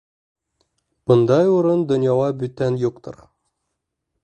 Бындай урын донъяла бүтән юҡтыр.